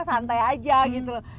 santai aja gitu loh